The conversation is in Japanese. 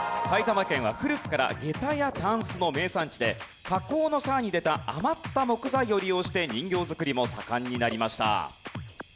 埼玉県は古くから下駄やタンスの名産地で加工の際に出た余った木材を利用して人形作りも盛んになりました。